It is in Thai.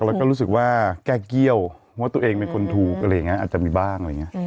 แล้วก็รู้สึกว่าแก้เกี้ยวว่าตัวเองเป็นคนถูกอะไรอย่างนี้อาจจะมีบ้างอะไรอย่างนี้